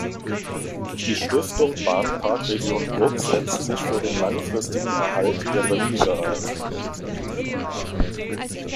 Die Stiftung Bahnpark Region Brugg setzt sich für den langfristigen Erhalt der Remise ein.